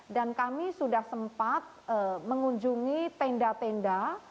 dan kami sudah sempat mengunjungi tenda tenda